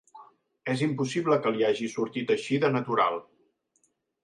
És impossible que li hagi sortit així de natural.